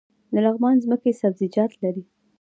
د لغمان ځمکې سبزیجات لري